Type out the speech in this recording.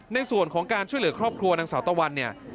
ในส่วนของการช่วยเหลือครอบครัวนางสาวตะวันเนี่ย